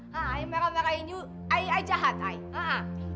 saya marah marah dengan kamu saya jahat ayah